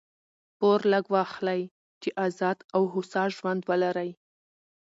پور لږ واخلئ! چي آزاد او هوسا ژوند ولرئ.